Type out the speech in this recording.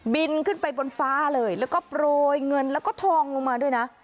บินขึ้นไปบนฟ้าเลยแล้วก็โปรยเงินแล้วก็ทองลงมาด้วยนะ